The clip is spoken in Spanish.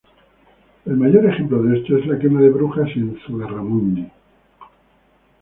El mayor ejemplo de esto es la quema de brujas en Zugarramurdi.